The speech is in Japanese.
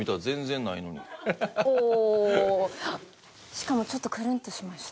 しかもちょっとクルンとしました。